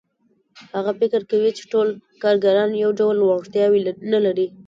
هغه فکر کوي چې ټول کارګران یو ډول وړتیاوې نه لري